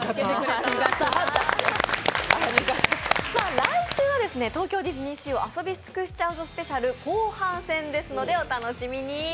来週は東京ディズニーシーを遊び尽くすぞスペシャル後半戦ですのでお楽しみに。